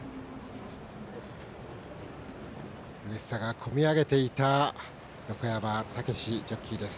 うれしさが込み上げていた横山武史ジョッキーです。